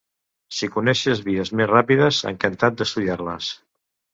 Si coneixes vies més ràpides, encantat d'estudiar-les.